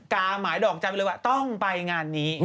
กะหมาไอดอกจำอยู่เลยว่าต้องไปงานนี้